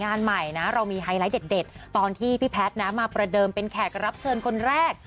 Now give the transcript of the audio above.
งานใหม่นะเรามีไฮไลท์เด็ดตอนที่พี่แพทย์นะมาประเดิมเป็นแขกรับเชิญคนแรก